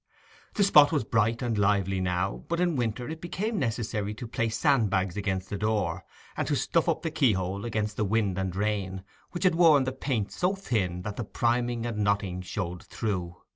The spot was bright and lively now; but in winter it became necessary to place sandbags against the door, and to stuff up the keyhole against the wind and rain, which had worn the paint so thin that the priming and knotting showed through.